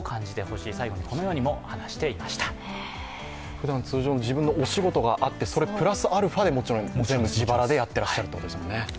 ふだん、通常の自分のお仕事があって、それプラスアルファでもちろん全部自腹でやっていらっしゃるということですもんね。